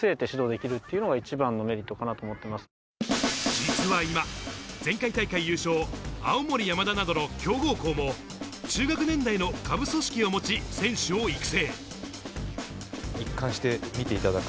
実は今、前回大会優勝・青森山田などの強豪校も中学年代の下部組織を持ち、選手を育成。